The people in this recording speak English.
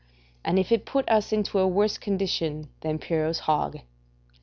and if it put us into a worse condition than Pyrrho's hog?